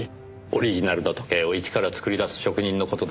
オリジナルの時計を一から作り出す職人の事ですねえ。